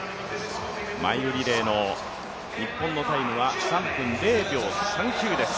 マイルリレーの日本のタイムは３分０秒３９です。